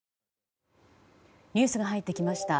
ニュースが入ってきました。